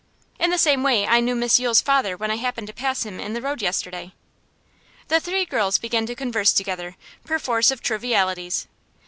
In the same way I knew Miss Yule's father when I happened to pass him in the road yesterday.' The three girls began to converse together, perforce of trivialities.